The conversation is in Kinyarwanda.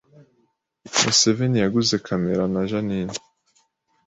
Museveni yaguze kamera na Jeaninne